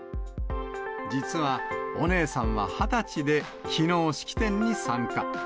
実はお姉さんは２０歳できのう、式典に参加。